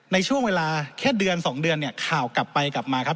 ในช่วงเวลาแค่เดือน๒เดือนเนี่ยข่าวกลับไปกลับมาครับ